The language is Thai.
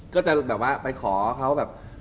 ก็จะแบบว่าไปขอเขาแบบ